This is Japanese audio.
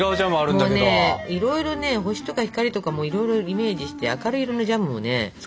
もうねいろいろね星とか光とかもいろいろイメージして明るい色のジャムもね作った！